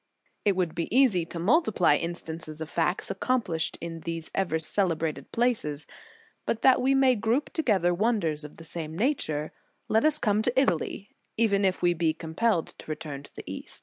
f It would be easy to multiply instances of facts accomplished in those ever celebrated places. But that we may group together wonders of the same nature, let us come to Italy, even if we be compelled to return to the East.